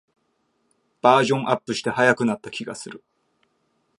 バージョンアップして速くなった気がする